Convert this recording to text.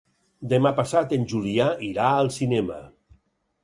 Demà passat en Julià irà al cinema.